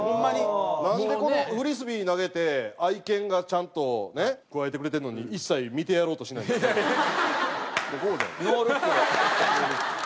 なんでこのフリスビー投げて愛犬がちゃんとねくわえてくれてるのに一切見てやろうとしないんです？